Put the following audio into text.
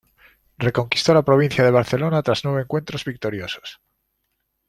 Reconquistó la provincia de Barcelona tras nueve encuentros victoriosos.